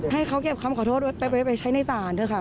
ให้เขาเก็บคำขอโทษไปใช้ในศาลเถอะค่ะ